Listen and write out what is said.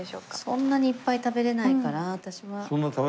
そんなにいっぱい食べれないから私は。